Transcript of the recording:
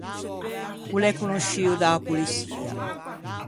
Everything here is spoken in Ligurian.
O l’é conosciuo da-a poliçia.